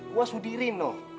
gua sudirin noh